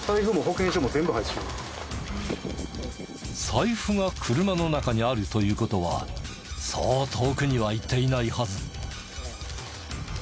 財布が車の中にあるという事はそう遠くには行っていないはず。